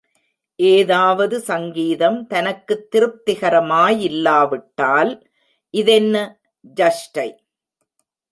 ஏதாவது சங்கீதம் தனக்குத் திருப்திகரமாயில்லாவிட்டால், இதென்ன, ஜஷ்டை!